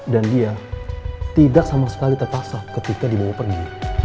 dan dia tidak sama sekali terpaksa ketika dimau mau pergi